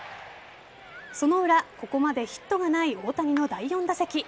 その裏ここまでヒットがない大谷の第４打席。